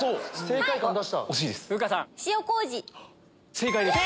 正解です！